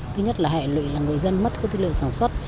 thứ nhất là hệ lụy là người dân mất quy tích lượng sản xuất